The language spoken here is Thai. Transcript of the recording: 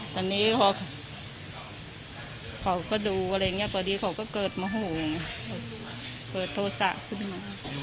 ตอนนี้เขาก็เขาก็ดูอะไรอย่างเงี้ยพอดีเขาก็เกิดหมอโหเปิดโทษะขึ้นปะ